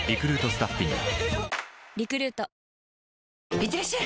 いってらっしゃい！